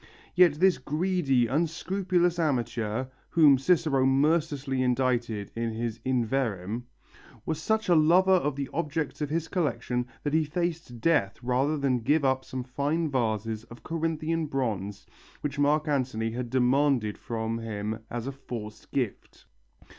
Yet this greedy, unscrupulous amateur, whom Cicero mercilessly indicted in his In Verrem, was such a lover of the objects of his collection that he faced death rather than give up some fine vases of Corinthian bronze which Mark Antony had demanded from him as a forced gift.